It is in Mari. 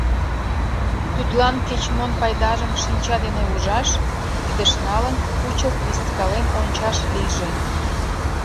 Тудлан кеч-мон пайдажым шинча дене ужаш, кидыш налын, кучылт, вискален ончаш лийже.